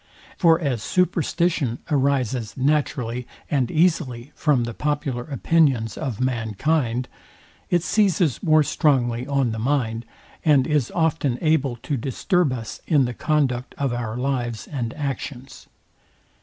For as superstition arises naturally and easily from the popular opinions of mankind, it seizes more strongly on the mind, and is often able to disturb us in the conduct of our lives and actions.